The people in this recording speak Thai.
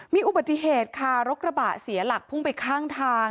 มีอุบัติเหตุค่ะรถกระบะเสียหลักพุ่งไปข้างทาง